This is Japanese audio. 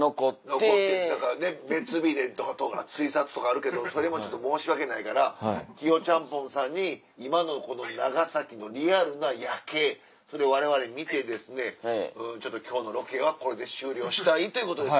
残ってたか別日で追撮とかあるけどそれもちょっと申し訳ないからキヨちゃんぽんさんに今のこの長崎のリアルな夜景それをわれわれ見てちょっと今日のロケはこれで終了したいっていうことです